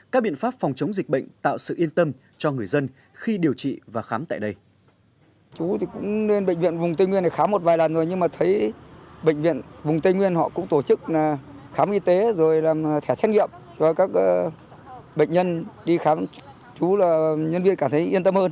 các biện pháp phòng chống dịch bệnh tạo sự yên tâm cho người dân khi điều trị và khám tại đây